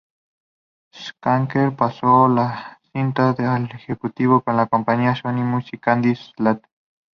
Schenker pasó la cinta al ejecutivo de la compañía Sony Music Andy Slater.